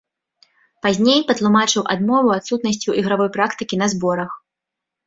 Пазней патлумачыў адмову адсутнасцю ігравой практыкі на зборах.